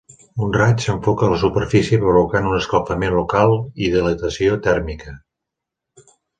Un raig s'enfoca a la superfície provocant un escalfament local i dilatació tèrmica.